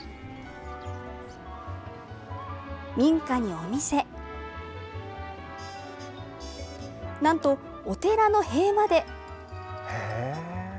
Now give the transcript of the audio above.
民家にお店、なんとお寺の塀まで。